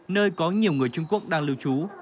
nơi có nhiều người trung quốc đang lưu trú